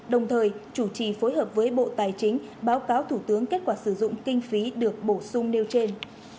đồng thời chủ trì phối hợp với bộ tài chính báo cáo thủ tướng kết quả sử dụng kinh phí được bổ sung nêu trên